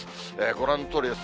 ご覧のとおりです。